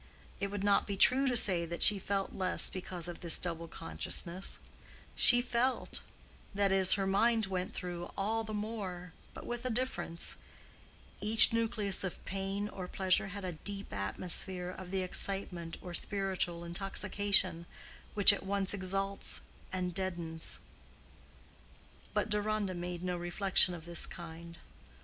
It would not be true to say that she felt less because of this double consciousness: she felt—that is, her mind went through—all the more, but with a difference; each nucleus of pain or pleasure had a deep atmosphere of the excitement or spiritual intoxication which at once exalts and deadens. But Deronda made no reflection of this kind.